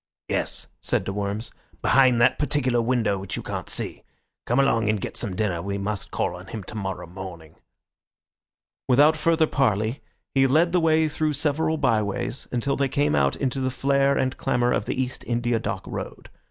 "Yes," said de Worms, "behind that particular window which you can't see. Come along and get some dinner. We must call on him tomorrow morning." Without further parley, he led the way through several by ways until they came out into the flare and clamour of the East India Dock Road.